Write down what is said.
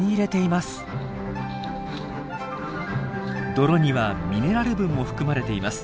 泥にはミネラル分も含まれています。